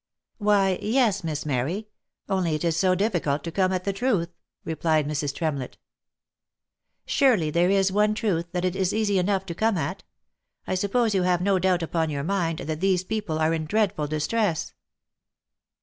" Why yes, Miss Mary — only it is so difficult to come at the truth," replied Mrs. Tremlett. " Surely there is one truth that it is easy enough to come at — I sup pose you have no doubt upon your mind that these people are in dreadful distress?"